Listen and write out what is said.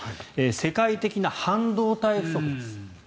世界的な半導体不足です。